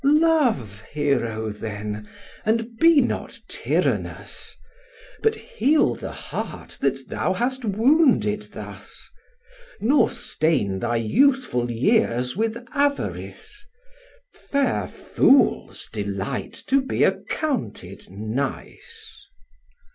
Love, Hero, then, and be not tyrannous; But heal the heart that thou hast wounded thus; Nor stain thy youthful years with avarice: Fair fools delight to be accounted nice.